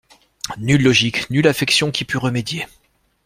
Nulle logique, nulle affection qui pût remédier.